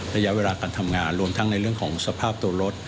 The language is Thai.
ระยะเวลาการทำงานรวมทั้งในเรื่องของสภาพตัวรถ